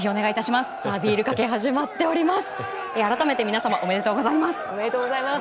ビールかけが始まっております。